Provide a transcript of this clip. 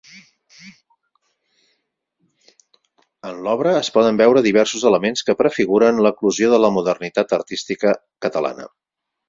En l'obra, es poden veure diversos elements que prefiguren l'eclosió de la modernitat artística catalana.